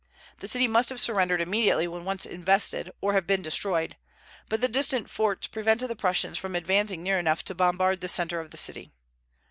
The city must have surrendered immediately when once invested, or have been destroyed; but the distant forts prevented the Prussians from advancing near enough to bombard the centre of the city.